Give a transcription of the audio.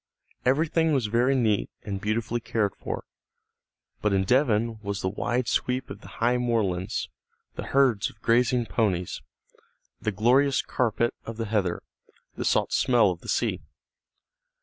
Everything was very neat and beautifully cared for. But in Devon was the wide sweep of the high moorlands, the herds of grazing ponies, the glorious carpet of the heather, the salt smell of the sea.